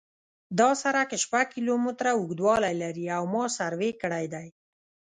دا سرک شپږ کیلومتره اوږدوالی لري او ما سروې کړی دی